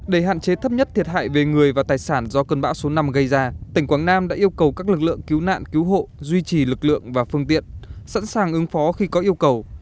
để hạn chế thấp nhất thiệt hại về người và tài sản do cơn bão số năm gây ra tỉnh quảng nam đã yêu cầu các lực lượng cứu nạn cứu hộ duy trì lực lượng và phương tiện sẵn sàng ứng phó khi có yêu cầu